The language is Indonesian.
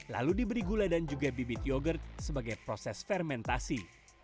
lalu diberi gula dan juga bibit yogurt sebagai proses fermentasi